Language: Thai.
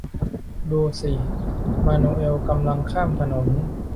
ดูสิ มานูเอลกำลังข้ามถนน